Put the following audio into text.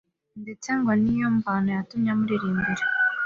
ndetse ngo niyo mvano yatumye amuririmbira